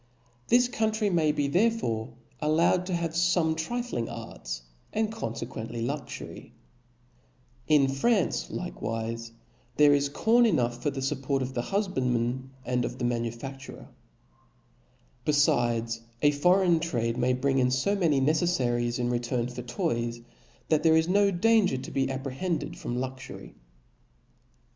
This country may be therefore allowed to have fome trifling arts, and confequently luxury. In France likewife there is corn enough for the fupport of the hufbandmajj^ Voif I. L and 1 146 T H E S P I R I T Boo It and of the manufadlurer. Befides, a. foreign trade [ Cbap'6. niay bring in fo many neceflarics in return for toys, that there is no danger to be apprehended from luxury.